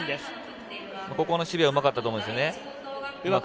ここの守備はうまかったと思うんですよね。